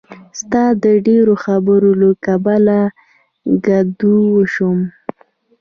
ستا د ډېرو خبرو له کبله کدو شوم.